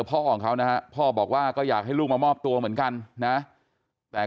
พ่อของเขานะฮะพ่อบอกว่าก็อยากให้ลูกมามอบตัวเหมือนกันนะแต่